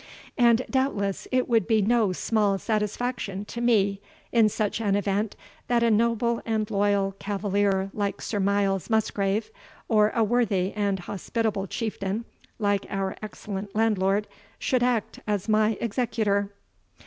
And doubtless it would be no small satisfaction to me, in such an event, that a noble and loyal cavalier like Sir Miles Musgrave, or a worthy and hospitable chieftain like our excellent landlord, should act as my executor."